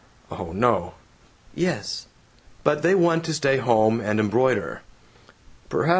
("Oh no!") ("Yes!) But they want to stay home and embroider." "Perhaps.